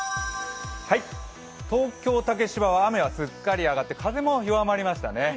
東京竹芝は雨がすっかりやんで風も弱まりましたね。